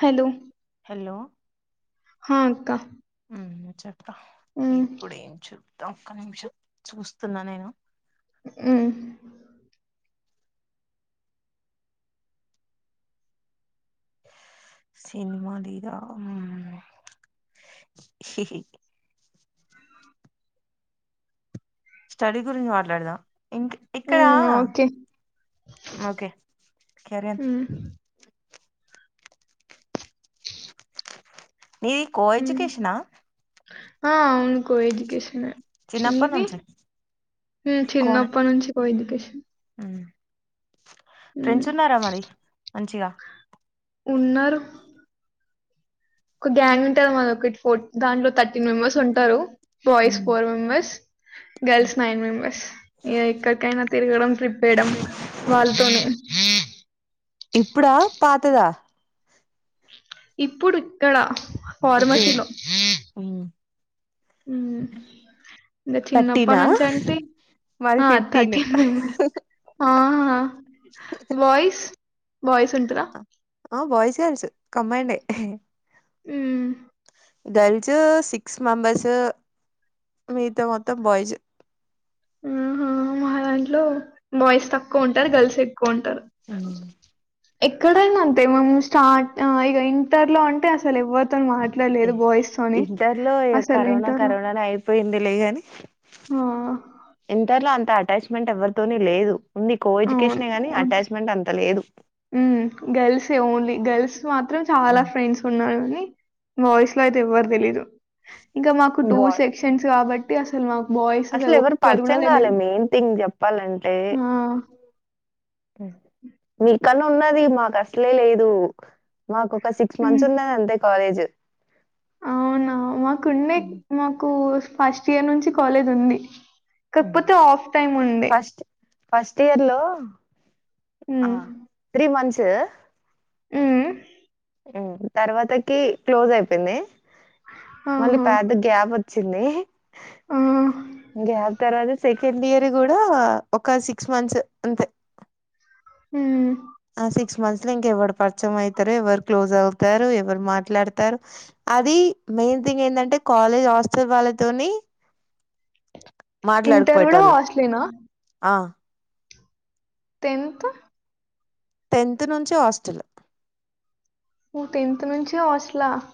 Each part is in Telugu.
హలో హలో హా అక్క చెప్పా మ్మ్ ఇప్పుడేం చూప్తా ఒక్క నిమిషం చూస్తున్నా నేను మ్మ్ సినిమాదిద హిహి స్టడీ గురించి మాట్లాడదాం ఇంక ఇక్కడ మ్మ్ ఓకే ఓకే కరియన్ మ్మ్ నీది కో మ్మ్ ఎడ్యుకేషనా ఆ అవునుకో ఎడ్యుకేషన్ చిన్నప్పటి మీది నుంచి కోనే చిన్నప్పనుంచి కో ఎడ్యుకేషనే మ్మ్ ఫ్రెండ్స్ ఉన్నారా మరి మంచిగా ఉన్నారు ఒక గ్యాంగ్ ఉంటంది మన ఒక ఫోర్ దాంట్లో థర్టీన్ మెంబెర్స్ ఉంటారు బాయి్స్ ఉమ్, ఫోర్ మెంబర్స్ ఉమ్. గర్ల్స్ నైన్ మెంబెర్స్ ఇ ఎక్కడికైనా తిరగడం ట్రిప్ వేయడం వాళ్ళతోనే ఇప్పుడా పాతదా ఇప్పుడు ఇక్కడ ఓకే ఫార్మసీలో ఉ ఇ చిన్నప్ప థర్టీనా మాది ఫిఫ్టీన్ నుంచింటిథర్టీన్బ ఆ ఆ వయిస్ బయిస్ ఉంటరా ఆ బోయిస్ గల్స్ కమ్మండే ఆ గర్ల్స్ సిక్స్ మెంబర్స్ మీత మొత్తం బాయ్స్్ ఆహా మాదాంట్లో బాయ్స్ తక్కువ ఉంటారు గర్ల్స్ ఎక్కువ ఉంటారు ఎక్కడైనా అంతే మే స్టార్ట్ ఇక ఇంటర్ లో అంటే అసలు ఎవరితో మాట్ ఇంటర్లో కరోనా ఇంటర్ లో కరోనానే అయిపోయింది లేగాని ఆ ఇంటర్లో అంత అటాచ్మెంట్ ఎవ్వరితోని లేదు ఉంది కో ఎడ్యుకేషనే గానీ అటాచ్మెంట్ అంత లేదు హ్మ్ గర్ల్సే ఓన్లీ గర్ల్స్ మాత్రం చాలా ఫ్రెండ్స్ ఉన్నారు కాని బాయ్స్ లో అయితే ఎవ్వరు తెలిదు ఇంకా మాకు టూ బాయ్ సెక్షన్స్ కాబట్టి అసలు మాకు బాయ్స్ అసలు ఒక్కరు కూడా తెలిదు అంటే హ్మ్ నీ కన్నా ఉన్నది మాకు అసలే లేదు మాకు ఒక సిక్స్ మంత్స్ ఉమ్ ఉన్నది అంతే కాలేజ్ అవునా మాకుండే మాకు ఫస్ట్ ఇయర్ నుంచి కాలేజ్ ఉంది కాకపోతే ఆఫ్ టైం ఉండే ఫస్ట్ ఫస్ట్ ఇయర్ లో ఆ ఉమ్, త్రీ మంత్స్ హ్మ్ హ్మ్ తర్వాతకి క్లోజ్ అయిపోయింది మళ్ళీ ఆహా, గ్యాప్ వ చ్చింది ఆ, గ్యాప్ తర్వాత సెకండ్ ఇయర్ కూడా ఒక సిక్స్ మంత్స్ అంతే [inaudible] ఊమ్ ఆ సిక్స్ మంత్స్ లో ఇంకెవరు పరిచయం అవుతారు ఎవరు క్లోజ్ అవుతారు ఎవరు మాట్లాడతారు అది మెయిన్ థింగ్ ఏంటంటే కాలేజ్ హాస్టల్ వాళ్ళతోని ఆ ఇంటర్ కూడా మాట్లాడకాపోయేటోళ్ళం హాస్టలేనా ఆ తెన్త్ టెన్త్ నుంచి హాస్టల్ నువ్వు టెన్త్ నుంచి హాస్టల్ ఆహ్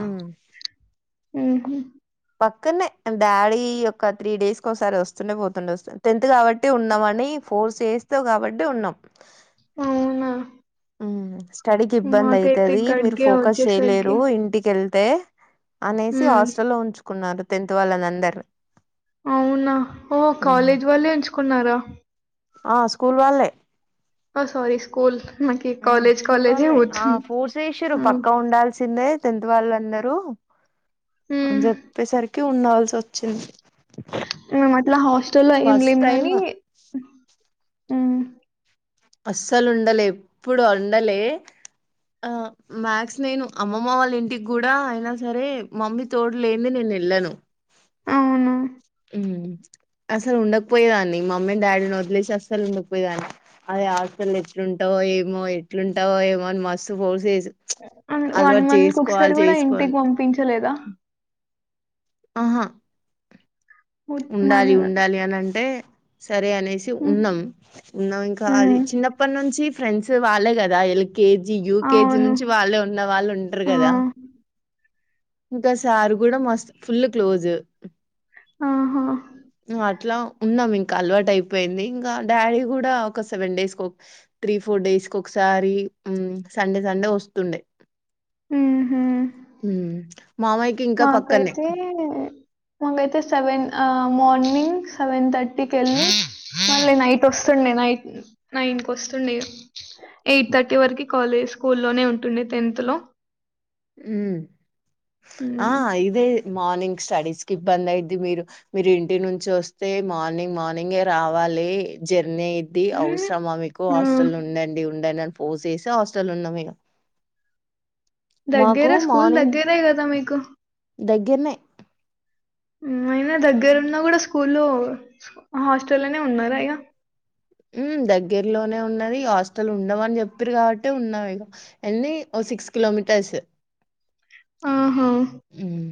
ఉమ్ హ్మ్ హు పక్కనే డాడీ ఒక త్రీ డేస్ ఒకసారి వస్తుండే పోతుండే వస్తుంది టెన్త్ కాబట్టి ఉన్నామని ఫోర్స్ చేస్త కాబట్టి ఉన్నాం అవునా ఉమ్ స్టడీకి ఇబ్బంది మాకైతే అవుతది మీరు గడిగే ఫోకస్ వచ్చేసరికి చేయలేరు ఇంటికెళ్తే తే అనేసి ఉమ్, హాస్టల్లో లో ఉంచుకున్నారు టెన్త్ వాళ్ళని అందరు అవునా ఓ కాలేజ్ వాళ్ళే ఉంచుకున్నారా ఆ స్కూల్ వాళ్ళే సారీ స్కూల్ నాకు ఉమ్ కాలేజ్ స్కూల్ కాలేజే వాళ్ళే ఆ పోతుంది ఫోర్స్ చేసిర్రు ఉమ్, పక్క ఉండాల్సిందే టెన్త్ వాళ్ళందరూ అని ఉమ్. చెప్పేసరికి ఉండాల్సి వచ్చింది మేము అట్లా హాస్టల్ల్లో ఏం ఫస్ట్ లేము టైం గాని హ్మ్ అస్సలు ఉండలే ఎప్పుడు ఉండలే ఆ మ్యాక్స్ నేను అమ్మమ్మ వాళ్ళ ఇంటికి కూడా అయినా సరే మమ్మీ తోడు లేంది నేను వెళ్ళను అవును ఉమ్ అసలు ఉండకపోయేదాన్ని మమ్మీని డాడీని వదిలేసి అస్సలు ఉండకపోయేదాన్ని అదే అసలు ఎట్లుంటావు ఏమో ఎట్లుంటావో ఏమో అని మస్తు ఫోర్స్ చేసి హ వన్ అలవాటు మంత్ ఒకసారి చేసుకోవాలి కూడా ఇంటికి చేసుకోవాలి పంపించలేదా ఆహా ఉ- మన్ ఉండాలి ఉండాలి అని అంటే సరే అనేసి ఉమ్, ఉన్నాం ఉన్నాం ఇంకా అది ఉమ్, చిన్నప్పటి నుంచి ఫ్రెండ్స్ వాళ్ళే కదా లకేజీ కేజీ యూకేజీ అవును నుంచి వాళ్ళే ఉన్న వాళ్ళు ఉంటారు ఆ, కదా ఇంకా సారు కూడా మస్తు ఫుల్ క్లోజ్ ఆహా నువ్ అట్లా ఉన్నాం ఇంకా అలవాటు అయిపోయింది ఇంకా డాడీ కూడా ఒక సెవెన్ డేస్కి త్రీ ఫోర్ డేస్ కి ఒకసారి ఒకసారి సండే సండే వస్తుండే ఊహు ఊ మాకైతే మొంగైతే సెవెన్ ఆ మార్నింగ్ సెవెన్ థర్టీకి వెళ్ళి మళ్ళీ నైట్ వస్తుండే నైట్ నైన్ కి వస్తుండే ఇగ ఎయిట్ థర్టీ వరకు కాలేజ్ స్కూల్లోనే ఉంటుండే టెన్త్ లో ఉ ఆ ఉమ్. ఇదే మార్నింగ్ స్టడీస్ కి ఇబ్బంది అయిద్ది మీరు మీరు ఇంటి నుంచి వస్తే మార్నింగ్ మార్నింగే రావాలి లీ జర్ నేటి అవసరమా మీకు ఉమ్. హాస్టల్ ఉండండి ఉండ‌ండి అని ఫోర్స్ చేస్తే హాస్టల్ ఉన్నాం ఇగ దగ్గరా స్కూల్ దగ్గరే గదా మీకు దగ్గర్నే ఉ అయినా దగ్గరున్న కూడా స్కూల్లు హాస్టల్నే ఉన్నారా ఇగా ఉ దగ్గరలోనే ఉన్నది ఇగ హాస్టల్ల ఉండమని చెప్పిరి కాబట్టే ఉన్నాం ఇగ ఎన్నీ వస్ సిక్స్ కిలోమీటర్స్ హుమ్మ్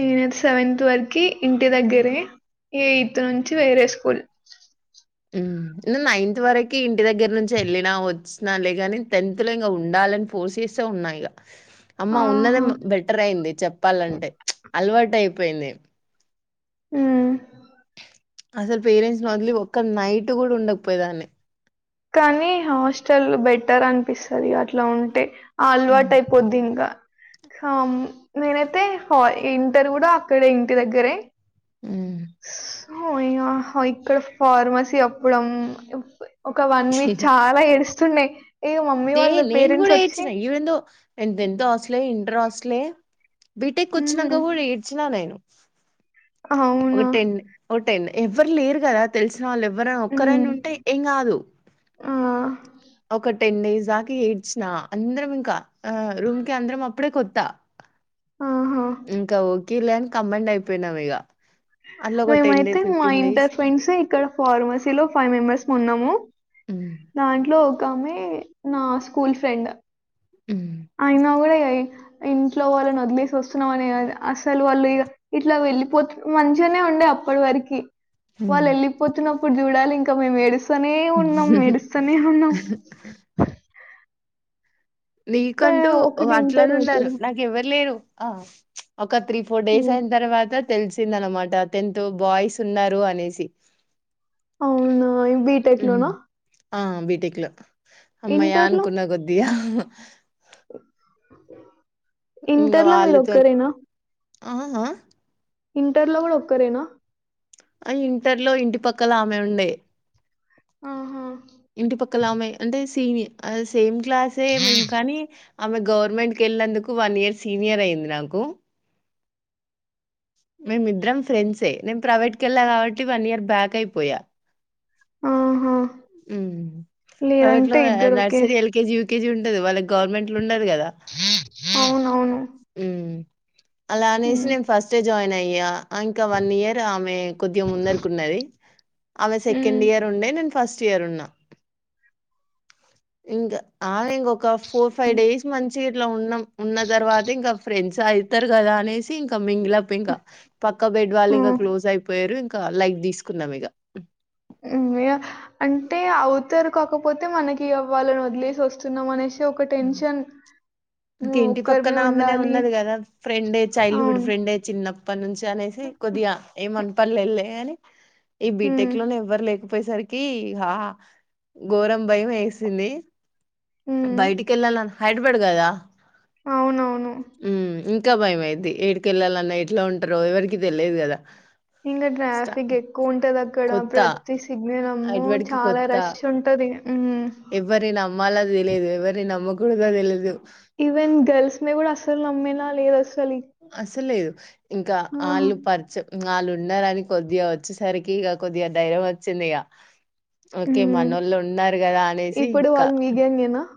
నేను సెవెన్త్ వర్ కి ఇంటి దగ్గరే ఎయిత్ నుంచి వేరే స్కూల్ ఉమ్ నే నైన్త్ వరకి ఇంటి దగ్గర నుంచి వెళ్ళినా వచ్చు నాన్లేగాని టెన్త్ లో ఇంగ ఉండాలని ఫోర్స్ చేస్సా ఉన్నా ఇగ అమ్మ ఆహా! ఉన్నదేమో బెటర్ అయింది చెప్పాలంటే ప్చ్ అలవాటు అయిపోయింది హ్మ్ అసలు పేరెంట్స్ ని వదిలి ఒక్క నైటు కూడా ఉండకపోయేదాన్ని కానీ హాస్టల్ బెటర్ అనిపిస్సది అట్ల ఉంటే ఆల్వాటు హ్మ్. అయిపోద్ది ఇంగా హమ్ నేనైతే హా ఇంటర్ కూడా అక్కడే ఇంటి దగ్గరే ఉమ్మ్ హో ఇగ ఇక్కడ ఫార్మసీ అప్పుడేం ఇప్ ఒక వన్ వీక్ చాలా ఏడుస్తుండే ఇగ మమ్మీ వే వాళ్ళ నేను పేరెంట్స్ కూడా వచ్చి ఏడ్చిన ఈవెన్ థో నేను టెన్త్ హాస్టలే ఇంటర్ హాస్టలే బీటెక్ హ్మ్ వచ్చినాంక కూడా ఏడ్చినా నేను ఒక అవునా టెన్ ఒక టెన్ ఎవ్వరు లేరు కదా తెలిసి నవాళ్ళు ఎవ్వరైనా ఒక్కరైనా హ్మ్ ఉంటే ఏం కాదు ఆ ఒక టెన్ డేస్ దాకి ఏడ్చినా అందరం ఇంకా ఆ రూమ్ కి అందరం అప్పుడే కొత్త ఆహా ఇంక ఓకేలే అని కంబైండ్ అయిపోయినాం ఇగ మేమైతే మా ఇంటర్ ఫ్రెండ్స్ ఇక్కడ ఫార్మసీ లో ఫైవ్ మెంబర్స్ ము ఉన్నాము దాంట్లో ఒక్కమే నా స్కూల్ ఫ్రెండ్ అయినా కూడా ఇగ ఇంట్లో వాళ్ళని వదిలేసి వస్తున్నామని అసలు వాళ్ళు ఇగ ఇట్లా వెళ్ళలిపోతు మంచిగానే ఉండే అప్పటి వరకి, వాళ్ళు వెళ్ళిపోతున్నప్పుడు చూడాలి ఇంకా మేము ఏడుస్తూ. స్తనే ఉన్నాం ఏడుస్తనే ఉన్నాం కా నీకంటూ ఒకటి ఇంటర్ అట్లన్న ఉన్నారు. ఒకరు నాకు ఎవ్వరు లేరు ఆ ఒక త్రీ ఫోర్ డేస్ హ్మ్ అయిన తర్వాత. తెలిసింది అనమాట టెన్త్ బాయ్స్ ఉన్నారు అనేసి అవునా బీటెక్ ఉమ్. లోనా ఆ బిటెక్ లో హమ్మయ్య ఇంటర్లో అనుకున్న కొద్దిగా ఇంగా ఇంటర్ లో మీరు వాళ్ళతోన్ ఒక్కరేనా ఆహా హా ఇంటర్లో కూడా ఒక్కరేనా ఆ ఇంటర్లో ఇంటి పక్కల ఆమె ఉండే ఆహా క్కలమె అంటే సీని ఆ సేమ్ క్లాసే మేం కానీ ఆమె గవర్మెంట్‌కి ఎళ్లినందుకు వ న్ ఇయర్ సీనియర్ అయింది నాకు మేమిద్దరం ఫ్రెండ్సే నేను ప్రైవేట్ కెళ్ళా కాబట్టి వన్ ఇయర్ బ్యాక్ అయిపోయా ఆహా హ్మ్ ప్రైవేట్లో లేదంటే ఇద్దరు ఒకే నర్సరి ఎల్కజీ యు కేజి ఉంటాది వాళ్ళకి గవర్మెంట్లో ఉండదు కదా అవునవును అలా అనేసి హ్మ్ నేను ఫస్ట్ ఏ జాయిన్ అయ్యా ఇంకా వన్ ఇయర్ ఆమె కొద్దిగా ముందరకున్నది ఆమె హ్మ్ సెకండ్ ఇయర్ ఉండే నేను ఫస్ట్ ఇయర్ ఉన్నా ఇంకా ఆ ఇంకొక ఫోర్ ఫైవ్ డేస్ మంచి ఇట్లా ఉన్నాం ఉన్న తర్వాత ఇంకా ఫ్రెండ్స్ అ‌యితారు కదా అనేసి ఇంకా మింగిలప్ ఇంకా పక్క బెడ్ వాళ్ళు ఆ ఇంకా క్లోజ్ అయిపోయారు ఇంకా లైక్ తీసుకుందాం ఇగ హమ్మయ్య అంటే అవుతారు కాకపోతే మనకి వాళ్ళను వదిలేసి వస్తున్నామనేసి ఒక టెన్షన్ ఇంక హ్మ్ ఇంటి ఒక్కరమే పక్కనమెనే ఉండాలి ఉన్నది కదా ఫ్రెండే చైల్డ్హుడ్ అవును ఫ్రెండే చిన్న ప్పనుంచి అనేసి కొద్దిగా ఏ మన పల్లెలో అని ఈ హ్మ్ బీటెక్లోనే ఎవ్వరు లేక పోయేసరికి హ ఘోరం భయమేసింది హ్మ్ బయటికి ఎళ్లాలన్న హైడ్రబాడ్ కదా అవునవును. హ్మ్ ఇం కా భయం అయిది ఎడికెళ్ళాలన్నా ఎట్లా ఉంటారో ఎవరికి తెలియదు కదా ఇంకా స్టా ట్రాఫిక్ ఎక్కువ ఉంటది అక్కడ కొత్త ప్రతి సిగ్నల్ అమ్మో ఎటువడికి చాలా కొత్త రష్ ఉంటది హ్మ్. మ్మలో తెలియదు ఎవర్ని నమ్మకూడదో తెలిదు ఈవెన్ గర్ల్స్‌ని కూడా అసలు నమ్మేలా లేదు అస అసలు లేదు ఇంకా ఆ! ఆళ్లు పరచు ఇంగ ఆళ్లు ఉండారని కొద్దిగా వచ్చేసరికి ఇక కొద్దిగా ధైర్యం వచ్చింది ఇగ ఓకే హ్మ్. మనోళ్ళు ఉన్నారు కదా అనేసి ఇంకా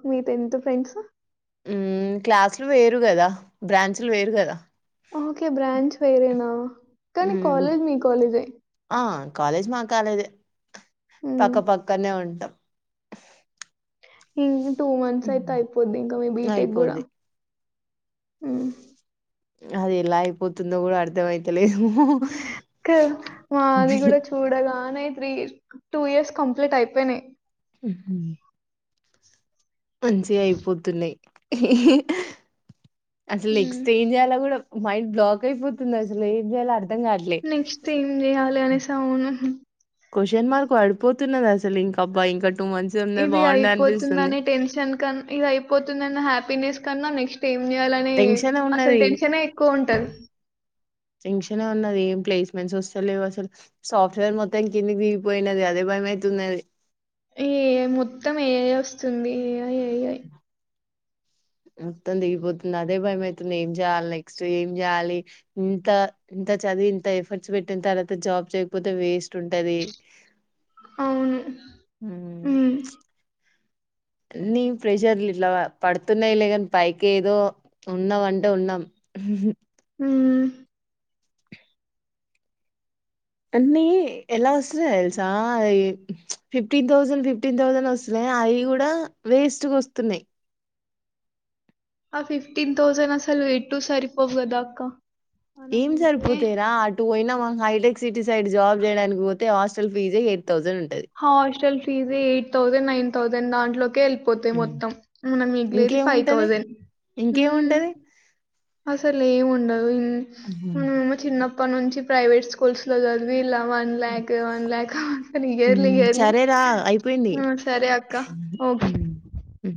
మీతో టెన్త్ ఫ్రెండ్సు హ్మ్ క్లాసులు వేరు కదా బ్రాంచ్లు వేరు కదా ఓకే బ్రాంచ్ వేరేనా కానీ మ్మ్ కాలేజ్ మీ కాలేజే ఆ కాలేజ్ మా కాలేజే హ్మ్. పక్కపక్కనే ఉంటాం ఇంగ్ టూ మంత్స్ అయితే మ్మ్. అయిపోద్ది ఇంకా మీ బీటెక్ కూడా అయిపోద్ది హ్మ్ అది ఎలా అయిపోతుందో కూడా అర్థంమైతలే తే మాది కూడా చూడగానే త్రీ టూ ఇయర్స్ కంప్లీట్ అయిపోయినాయ్ హుమ్మ్ మంచిగా అయిపోతున్నాయి అసలు హ్మ్. నెక్స్ట్ ఏం చేయాలా కూడా మైండ్ బ్లాక్ అయిపోతుంది అసలు ఏం చేయాలో అ నెక్స్ట్ ఏం చెయాలి అనేసి అవును క్వశ్చన్ మార్క్ పడిపోతున్నది అసలు ఇంక అబ్బా ఇంకా టూ మంత్స్ ఉన్నది ఇది బాగుండు అనిపిస్తుంది అయిపోతుందని టెన్షన్ కన్ ఇది అయిపోతుందన్న హ్యాపీనెస్ కన్నా నెక్స్ ఏం చేయాలని టెన్షన్ అసలు ఉన్నది టెన్షనే ఎక్కువ ఉంటది టేంక్షనే ఉన్నది ఏం ప్లేస్మెంట్స్ వస్తాలేవు అసలు సాఫ్ట్వేర్ మొత్తం ఇంకిందకి దిగిపోయినది అదే‌ భయ మైతున్నది ఏ మొత్తం ఏఐ వస్తుంది ఇగ మొత్తం దిగిపోతుంది అదే భయమైతుంది ఏం చేయాలి నెక్స్ట్ ఏం చేయాలి ఇంత ఇం త చదివి ఇంత ఎఫర్ట్స్ పెట్టిన తర్వాత జాబ్ చేయకపోతే వేస్ట్ ఉంటది అవును హ్మ్ అన్నీ ప్రెషర్లు ఇట్లా పడుతున్నాయిలే కానీ పైకి ఏదో ఉన్నాం అంటే ఉన్నాం ఉహు హ్మ్ హ్మ్ అన్ని ఎలా వస్తున్నాయ్ తెలుసా ఈ ఫిఫ్టీన్ థౌసండ్ ఫిఫ్టీన్ థౌసండ్ వస్తున్నాయ్ అ అవి కూడా వేస్ట్గా వస్తుంది ఆ ఫిఫ్టీన్ థౌసండ్ అసలు వేట్టు సారిపోవ్ గదా అక్క ఏం మనమైతే సరిపోతేయిరా అటు పోయినామా హైటెక్ సిటీ సైడ్ జాబ్ చేయడానికి పోతే హాస్టల్ ఫీజే ఎయిట్ థౌజండ్ ఉంటది హాస్టల్ ఫీజే ఎయిట్ థౌండ్ నైన్ థౌసండ్ దాంలోకిల్ పోతే ఉమ్. మొత్తం మనం మిగిలేది ఫైవ్ ఇంకేముంటది థౌజండ్ ఉమ్ ఇంకేముంటది అసలు ఏమి ఉండదు ఉమ్ మేము చిన్నప్పటి నుంచి ప్రైవేట్ స్కూల్స్ లో చదివి ఇలా వన్ ల్యాక్ వన్ ల్యాక్ అ ఇయర్లీ ఉమ్, ఇయర్లీ సరేరా అయిపోయింది ఆ సరే అక్క ఒకే ఉమ్, ఉమ్.